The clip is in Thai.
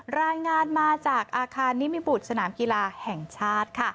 รายงานมาจากอาคารนิมิบุตรสนามกีฬาแห่งชาติค่ะ